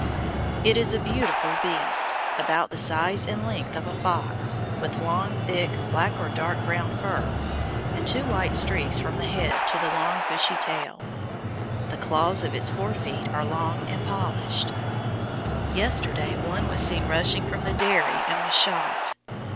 It is a beautiful beast, about the size and length of a fox, with long thick black or dark brown fur, and two white streaks from the head to the long bushy tail. The claws of its fore feet are long and polished. Yesterday one was seen rushing from the dairy and was shot.